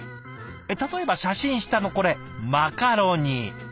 例えば写真下のこれマカロニ。